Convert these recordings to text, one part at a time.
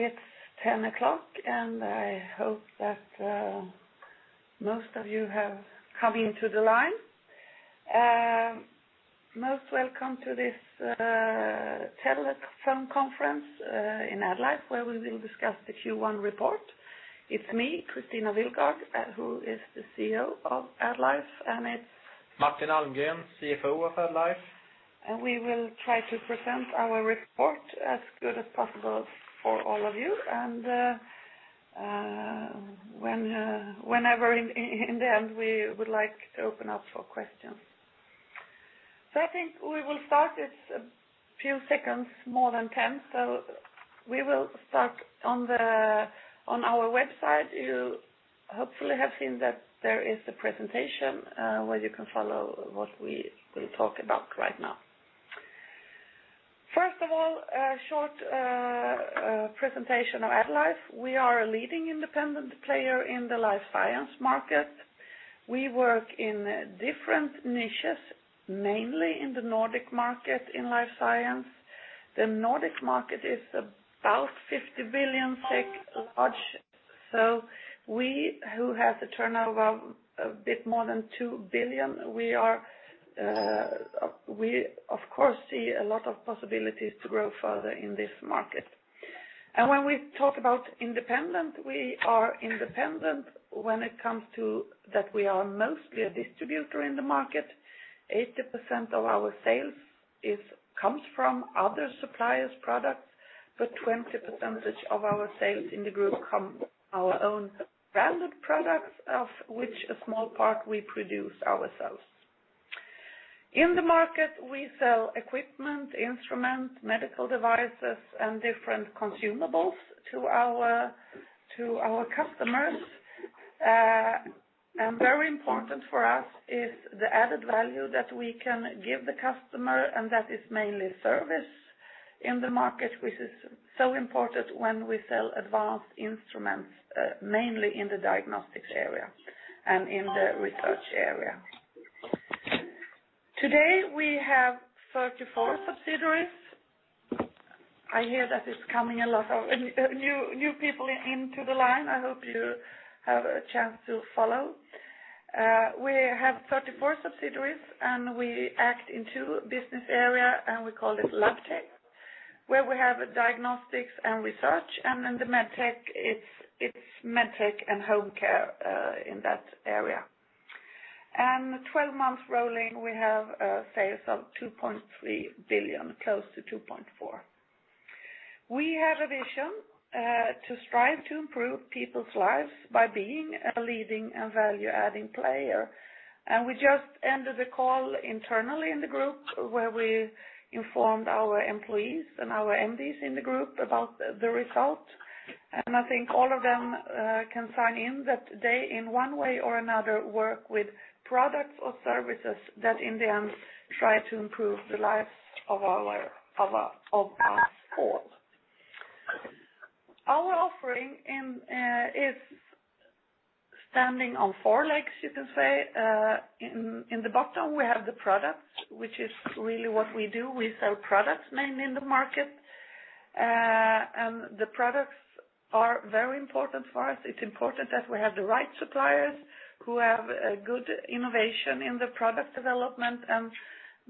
Well, it is 10:00, I hope that most of you have come into the line. Most welcome to this telephone conference in AddLife, where we will discuss the Q1 report. It is me, Kristina Willgård, who is the CEO of AddLife. Martin Almgren, CFO of AddLife We will try to present our report as good as possible for all of you. Whenever in the end, we would like to open up for questions. I think we will start, it is a few seconds more than 10, we will start on our website. You hopefully have seen that there is a presentation, where you can follow what we will talk about right now. First of all, a short presentation of AddLife. We are a leading independent player in the Life Science market. We work in different niches, mainly in the Nordic market in Life Science. The Nordic market is about 50 billion SEK large, we who have the turnover a bit more than 2 billion, we of course see a lot of possibilities to grow further in this market. When we talk about independent, we are independent when it comes to that, we are mostly a distributor in the market. 80% of our sales comes from other suppliers products, but 20% of our sales in the group come our own branded products, of which a small part we produce ourselves. In the market, we sell equipment, instrument, medical devices, and different consumables to our customers. Very important for us is the added value that we can give the customer, that is mainly service in the market, which is so important when we sell advanced instruments, mainly in the diagnostics area and in the research area. Today we have 34 subsidiaries. I hear that it is coming a lot of new people into the line. I hope you have a chance to follow. We have 34 subsidiaries, and we act in two business area, and we call it Labtech, where we have diagnostics and research, and then the Medtech, it's Medtech and home care, in that area. 12 months rolling, we have sales of 2.3 billion, close to 2.4 billion. We have a vision to strive to improve people's lives by being a leading and value-adding player. We just ended the call internally in the group where we informed our employees and our MDs in the group about the result. I think all of them can sign in that they in one way or another work with products or services that in the end try to improve the lives of us all. Our offering is standing on four legs, you can say. In the bottom we have the products, which is really what we do. We sell products mainly in the market. The products are very important for us. It's important that we have the right suppliers who have a good innovation in the product development, and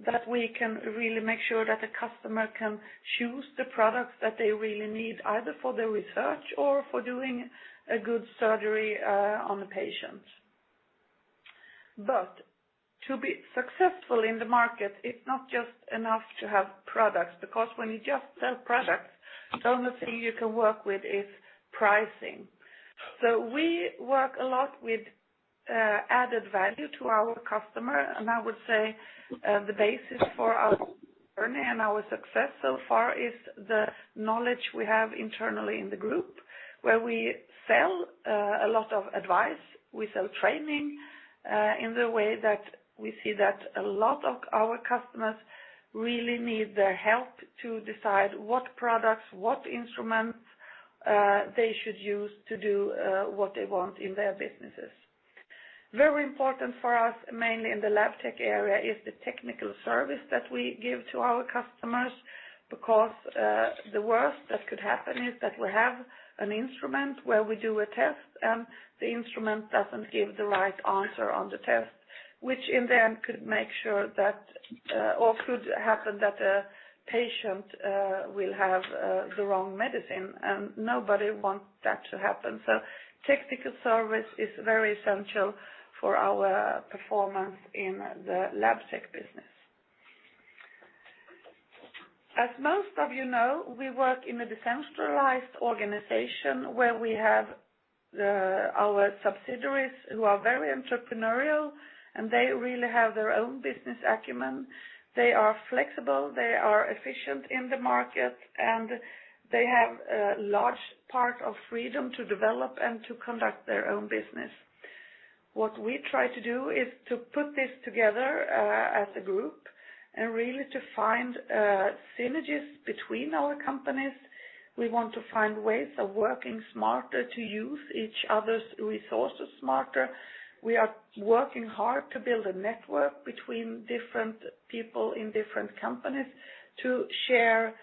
that we can really make sure that the customer can choose the products that they really need, either for the research or for doing a good surgery on the patient. To be successful in the market, it's not just enough to have products, because when you just sell products, the only thing you can work with is pricing. We work a lot with added value to our customer, and I would say the basis for our journey and our success so far is the knowledge we have internally in the group where we sell a lot of advice. We sell training, in the way that we see that a lot of our customers really need the help to decide what products, what instruments they should use to do what they want in their businesses. Very important for us, mainly in the Labtech area, is the technical service that we give to our customers. The worst that could happen is that we have an instrument where we do a test and the instrument doesn't give the right answer on the test, which in the end could make sure that, or could happen that a patient will have the wrong medicine and nobody want that to happen. Technical service is very essential for our performance in the Labtech business. As most of you know, we work in a decentralized organization where we have our subsidiaries who are very entrepreneurial, and they really have their own business acumen. They are flexible, they are efficient in the market, and they have a large part of freedom to develop and to conduct their own business. What we try to do is to put this together as a group and really to find synergies between our companies. We want to find ways of working smarter, to use each other's resources smarter. We are working hard to build a network between different people in different companies to share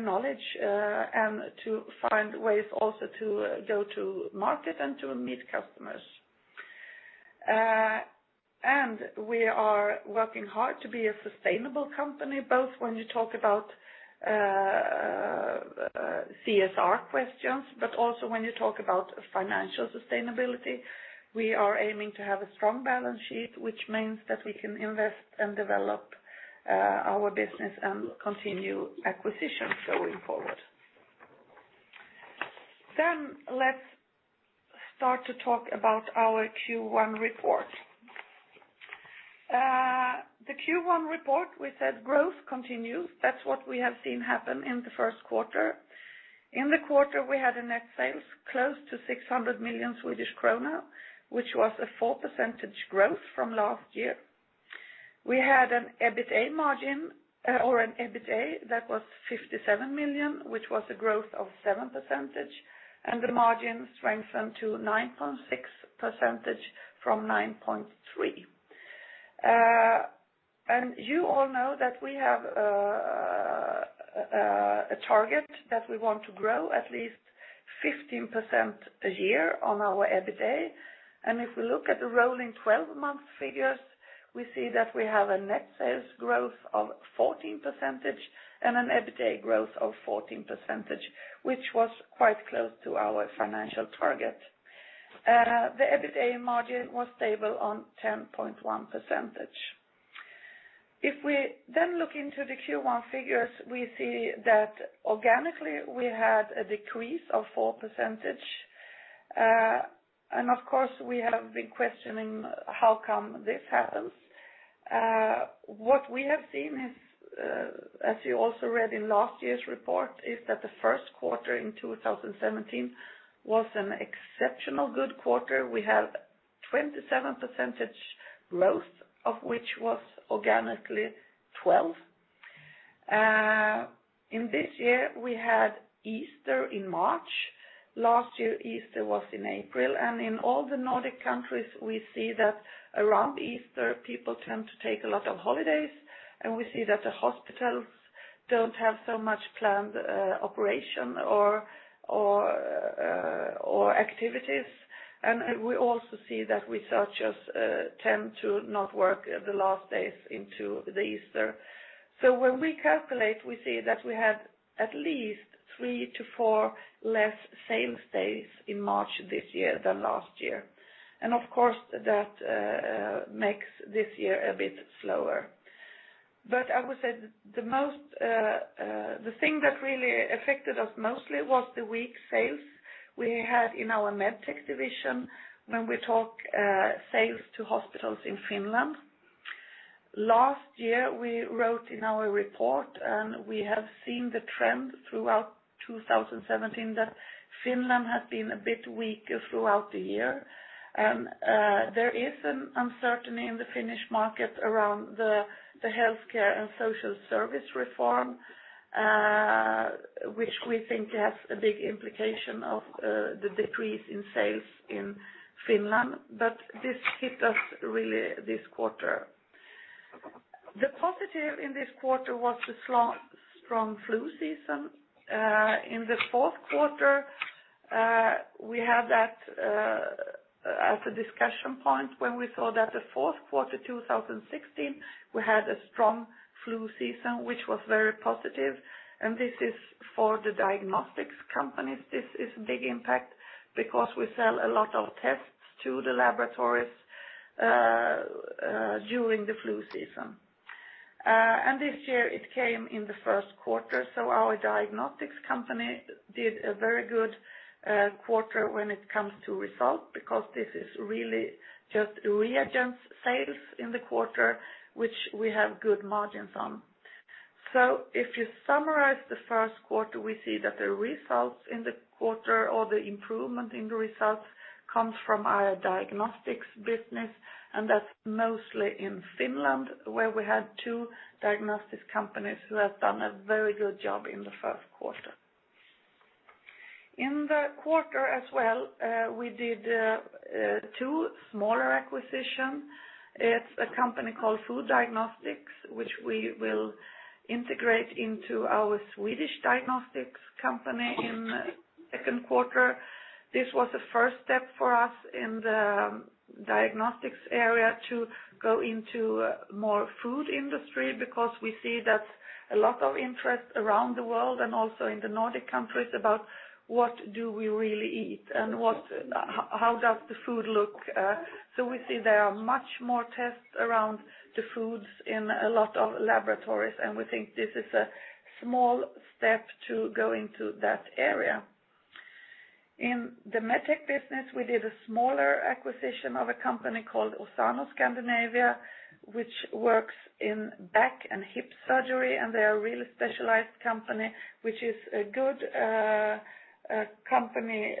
knowledge, and to find ways also to go to market and to meet customers. We are working hard to be a sustainable company, both when you talk about CSR questions, but also when you talk about financial sustainability. We are aiming to have a strong balance sheet, which means that we can invest and develop our business and continue acquisitions going forward. Let's start to talk about our Q1 report. The Q1 report, we said growth continues. That's what we have seen happen in the first quarter. In the quarter, we had a net sales close to 600 million Swedish krona, which was a 4% growth from last year. We had an EBITA margin or an EBITA that was 57 million, which was a growth of 7%, and the margin strengthened to 9.6% from 9.3%. You all know that we have a target that we want to grow at least 15% a year on our EBITA. If we look at the rolling 12-month figures, we see that we have a net sales growth of 14% and an EBITA growth of 14%, which was quite close to our financial target. The EBITA margin was stable on 10.1%. If we look into the Q1 figures, we see that organically we had a decrease of 4%. Of course, we have been questioning how come this happens. What we have seen is, as you also read in last year's report, is that the first quarter in 2017 was an exceptional good quarter. We have 27% growth, of which was organically 12%. In this year, we had Easter in March. Last year, Easter was in April. In all the Nordic countries, we see that around Easter, people tend to take a lot of holidays, and we see that the hospitals don't have so much planned operation or activities. We also see that researchers tend to not work the last days into the Easter. When we calculate, we see that we had at least three to four less sales days in March this year than last year. Of course, that makes this year a bit slower. I would say the thing that really affected us mostly was the weak sales we had in our Medtech division when we talk sales to hospitals in Finland. Last year, we wrote in our report, we have seen the trend throughout 2017 that Finland has been a bit weaker throughout the year. There is an uncertainty in the Finnish market around the healthcare and social service reform which we think has a big implication of the decrease in sales in Finland. This hit us really this quarter. The positive in this quarter was the strong flu season. In the fourth quarter, we had that as a discussion point when we saw that the fourth quarter 2016, we had a strong flu season, which was very positive. This is for the diagnostics companies, this is a big impact because we sell a lot of tests to the laboratories during the flu season. This year it came in the first quarter. Our diagnostics company did a very good quarter when it comes to result because this is really just reagents sales in the quarter, which we have good margins on. If you summarize the first quarter, we see that the results in the quarter or the improvement in the results comes from our diagnostics business, and that's mostly in Finland, where we had two diagnostic companies who have done a very good job in the first quarter. In the quarter as well, we did two smaller acquisition. It's a company called Food Diagnostics, which we will integrate into our Swedish diagnostics company in second quarter. This was the first step for us in the diagnostics area to go into more food industry because we see that a lot of interest around the world and also in the Nordic countries about what do we really eat and how does the food look. We see there are much more tests around the foods in a lot of laboratories, and we think this is a small step to go into that area. In the Medtech business, we did a smaller acquisition of a company called Ossano Scandinavia, which works in back and hip surgery, and they are a really specialized company, which is a good company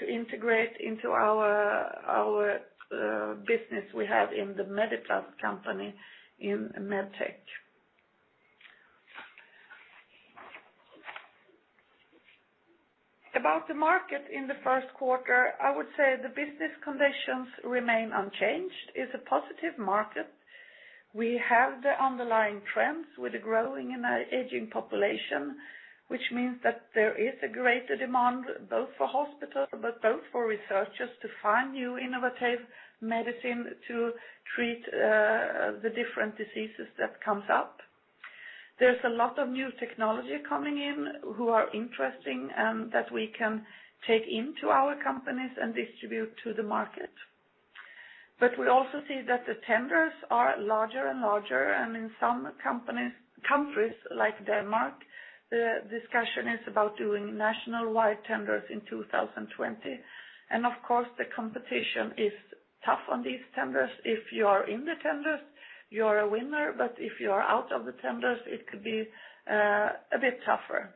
to integrate into our business we have in the Mediplast company in Medtech. About the market in the first quarter, I would say the business conditions remain unchanged. It's a positive market. We have the underlying trends with the growing and aging population, which means that there is a greater demand both for hospitals, but both for researchers to find new innovative medicine to treat the different diseases that comes up. There's a lot of new technology coming in who are interesting and that we can take into our companies and distribute to the market. We also see that the tenders are larger and larger, and in some countries like Denmark, the discussion is about doing nationwide tenders in 2020. Of course, the competition is tough on these tenders. If you are in the tenders, you are a winner, but if you are out of the tenders, it could be a bit tougher.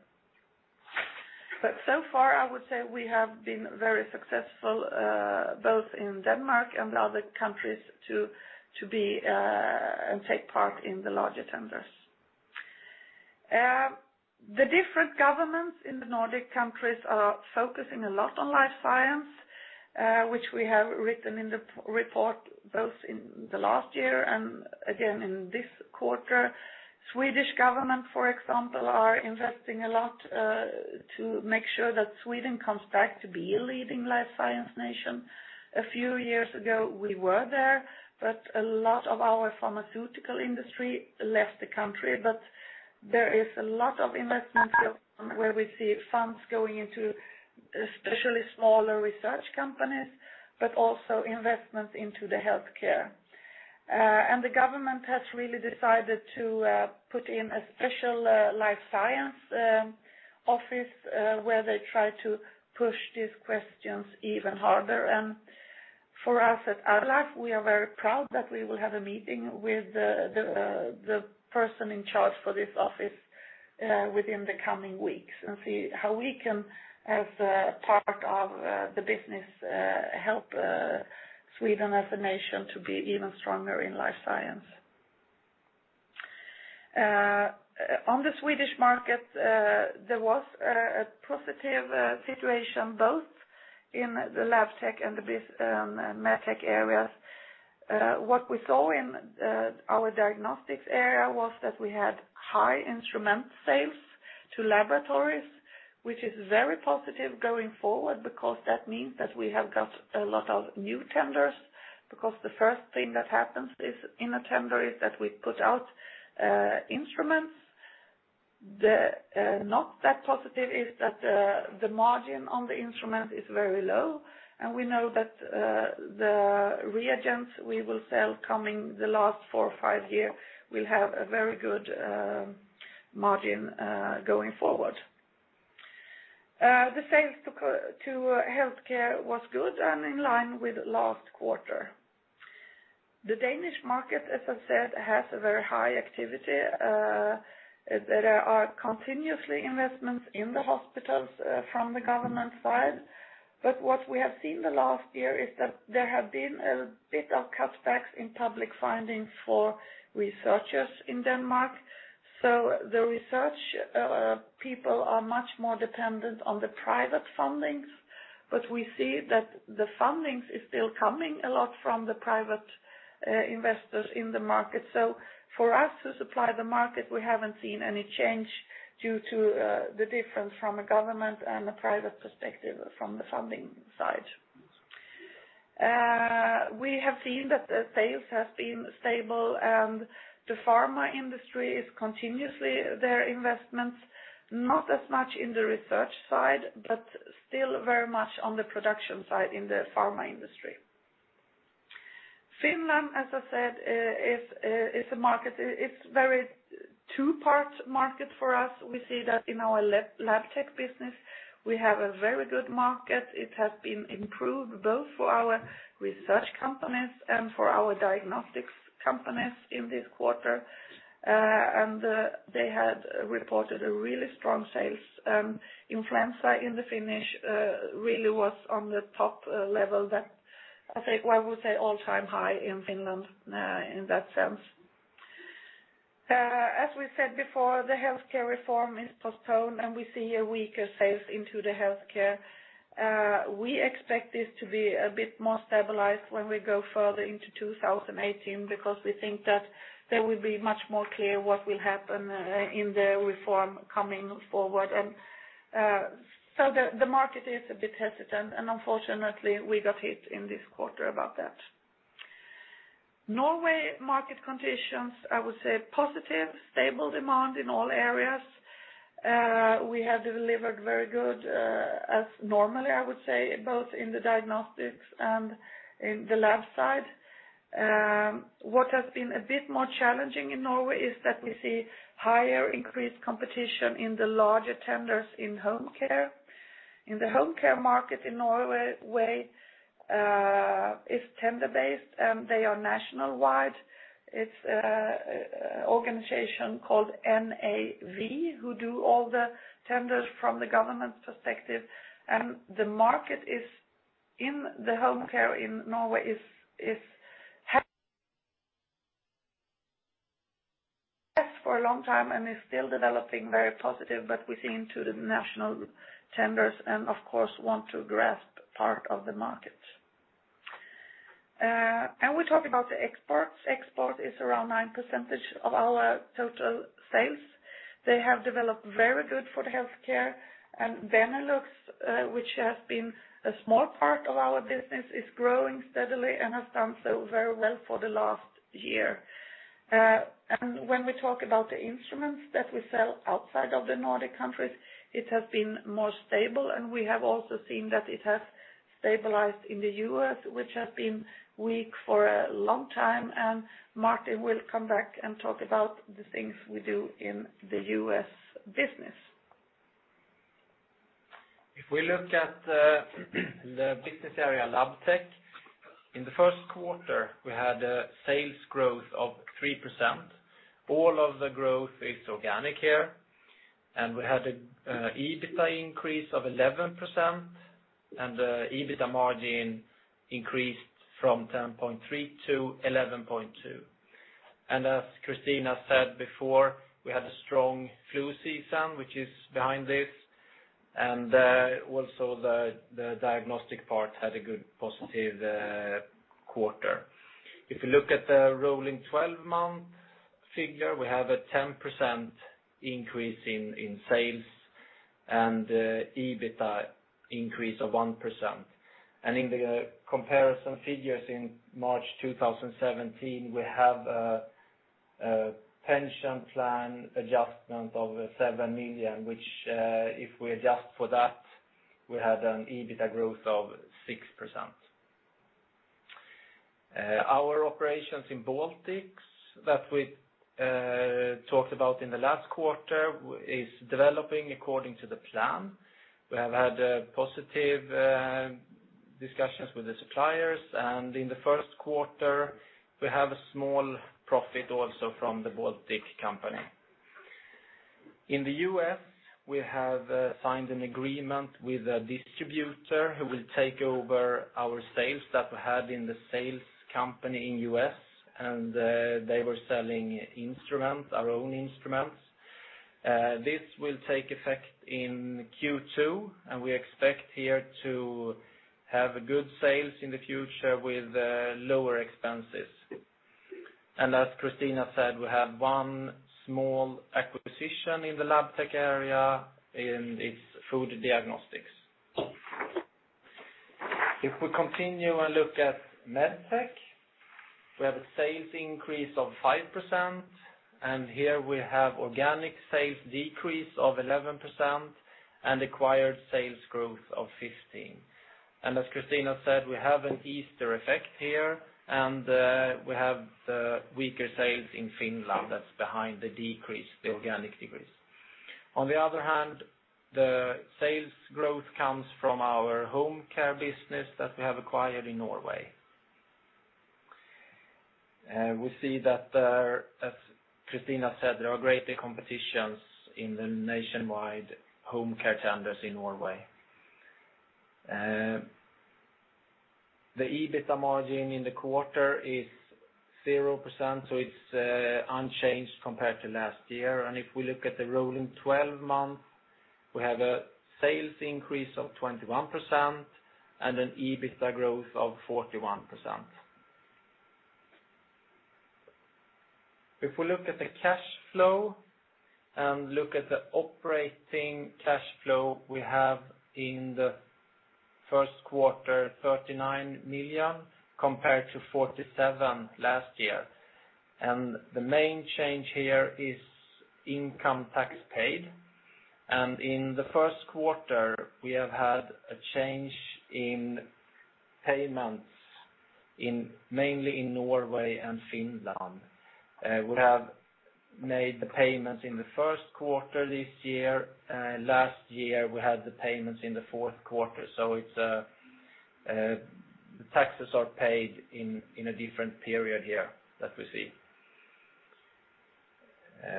So far, I would say we have been very successful, both in Denmark and other countries to be and take part in the larger tenders. The different governments in the Nordic countries are focusing a lot on Life Science, which we have written in the report both in the last year and again in this quarter. Swedish Government, for example, are investing a lot, to make sure that Sweden comes back to be a leading Life Science nation. A few years ago, we were there, but a lot of our pharmaceutical industry left the country. There is a lot of investments here where we see funds going into especially smaller research companies, but also investments into the healthcare. The government has really decided to put in a special Life Science office, where they try to push these questions even harder. For us at AddLife, we are very proud that we will have a meeting with the person in charge for this office within the coming weeks and see how we can, as a part of the business, help Sweden as a nation to be even stronger in Life Science. On the Swedish market, there was a positive situation both in the Labtech and MedTech areas. What we saw in our diagnostics area was that we had high instrument sales to laboratories, which is very positive going forward because that means that we have got a lot of new tenders. The first thing that happens is in a tender is that we put out instruments. Not that positive is that the margin on the instrument is very low, and we know that the reagents we will sell coming the last four or five year will have a very good margin going forward. The sales to healthcare was good and in line with last quarter. The Danish market, as I said, has a very high activity. There are continuously investments in the hospitals from the government side. What we have seen the last year is that there have been a bit of cutbacks in public funding for researchers in Denmark. The research people are much more dependent on the private fundings, but we see that the fundings is still coming a lot from the private investors in the market. For us to supply the market, we haven't seen any change due to the difference from a government and a private perspective from the funding side. We have seen that the sales has been stable and the pharma industry is continuously their investments, not as much in the research side, but still very much on the production side in the pharma industry. Finland, as I said, it's a very two-part market for us. We see that in our Labtech business. We have a very good market. It has been improved both for our research companies and for our diagnostics companies in this quarter. They had reported a really strong sales. Influenza in the Finnish really was on the top level that I think, I would say all-time high in Finland in that sense. As we said before, the healthcare reform is postponed, and we see a weaker sales into the healthcare. We expect this to be a bit more stabilized when we go further into 2018 because we think that there will be much more clear what will happen in the reform coming forward. The market is a bit hesitant, and unfortunately, we got hit in this quarter about that. Norway market conditions, I would say positive, stable demand in all areas. We have delivered very good, as normally, I would say, both in the diagnostics and in the lab side. What has been a bit more challenging in Norway is that we see higher increased competition in the larger tenders in home care. The home care market in Norway is tender-based, and they are nationwide. It's a organization called NAV who do all the tenders from the government perspective, and the market in the home care in Norway is Yes, for a long time, and is still developing very positive, but we see into the national tenders and, of course, want to grasp part of the market. We talked about the exports. Export is around 9% of our total sales. They have developed very good for the healthcare and Benelux, which has been a small part of our business, is growing steadily and has done so very well for the last year. When we talk about the instruments that we sell outside of the Nordic countries, it has been more stable. We have also seen that it has stabilized in the U.S., which has been weak for a long time. Martin will come back and talk about the things we do in the U.S. business. If we look at the business area Labtech, in the first quarter, we had a sales growth of 3%. All of the growth is organic here. We had an EBITA increase of 11%, and the EBITA margin increased from 10.3 to 11.2. As Kristina said before, we had a strong flu season, which is behind this, and also the diagnostic part had a good positive quarter. If you look at the rolling 12-month figure, we have a 10% increase in sales and EBITA increase of 1%. In the comparison figures in March 2017, we have a pension plan adjustment of 7 million, which, if we adjust for that, we had an EBITA growth of 6%. Our operations in Baltics that we talked about in the last quarter is developing according to the plan. We have had positive discussions with the suppliers. In the first quarter, we have a small profit also from the Baltic company. In the U.S., we have signed an agreement with a distributor who will take over our sales that we had in the sales company in U.S., and they were selling our own instruments. This will take effect in Q2. We expect here to have good sales in the future with lower expenses. As Kristina said, we have one small acquisition in the Labtech area, and it's Food Diagnostics. If we continue and look at Medtech, we have a sales increase of 5%. Here we have organic sales decrease of 11% and acquired sales growth of 15%. As Kristina said, we have an Easter effect here, and we have weaker sales in Finland that's behind the organic decrease. On the other hand, the sales growth comes from our home care business that we have acquired in Norway. We see that, as Kristina said, there are greater competitions in the nationwide home care tenders in Norway. The EBITA margin in the quarter is 0%, so it's unchanged compared to last year. If we look at the rolling 12 months, we have a sales increase of 21% and an EBITA growth of 41%. If we look at the cash flow and look at the operating cash flow, we have in the first quarter, 39 million compared to 47 million last year. The main change here is income tax paid. In the first quarter, we have had a change in payments mainly in Norway and Finland. We have made the payments in the first quarter this year. Last year, we had the payments in the fourth quarter. The taxes are paid in a different period here that we see.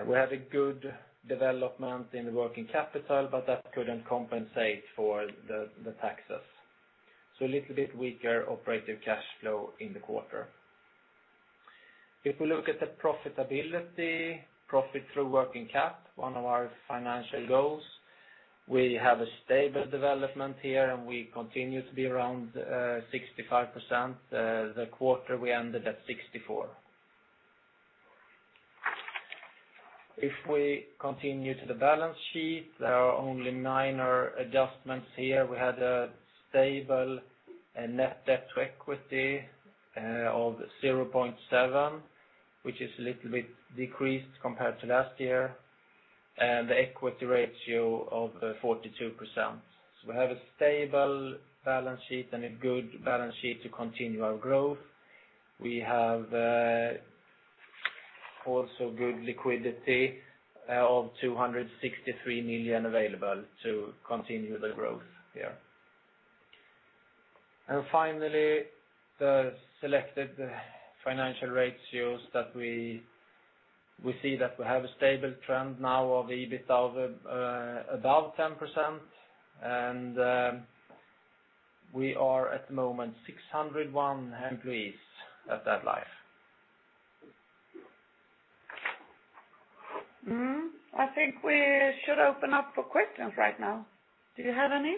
We had a good development in the working capital, that couldn't compensate for the taxes. A little bit weaker operating cash flow in the quarter. If we look at the profitability, profit through working cap, one of our financial goals, we have a stable development here, and we continue to be around 65%. The quarter we ended at 64. If we continue to the balance sheet, there are only minor adjustments here. We had a stable net debt to equity of 0.7, which is a little bit decreased compared to last year, and the equity ratio of 42%. We have a stable balance sheet and a good balance sheet to continue our growth. We have also good liquidity of 263 million available to continue the growth here. Finally, the selected financial ratios that we see that we have a stable trend now of EBIT above 10%. We are at the moment 601 employees at AddLife. I think we should open up for questions right now. Do you have any?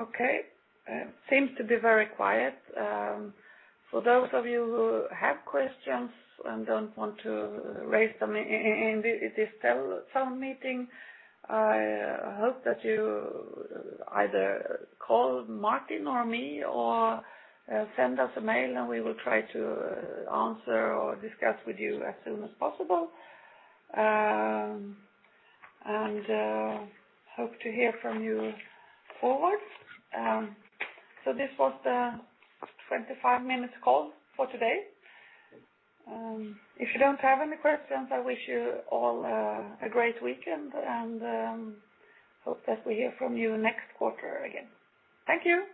Okay. Seems to be very quiet. For those of you who have questions and don't want to raise them in this phone meeting, I hope that you either call Martin or me or send us a mail, and we will try to answer or discuss with you as soon as possible. Hope to hear from you forward. This was the 25-minute call for today. If you don't have any questions, I wish you all a great weekend and hope that we hear from you next quarter again. Thank you.